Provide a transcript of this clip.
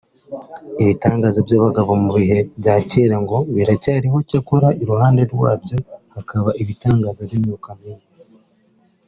Ibitangaza byabagaho mu bihe bya kera ngo biracyariho cyakora iruhande rwabyo hakaba ibitangaza by’imyuka mibi